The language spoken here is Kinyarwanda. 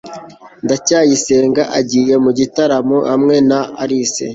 ndacyayisenga agiye mu gitaramo hamwe na alice